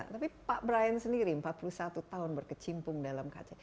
tapi pak brian sendiri empat puluh satu tahun berkecimpung dalam kc